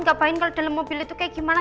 nggak paham kalau dalam mobil itu kayak gimana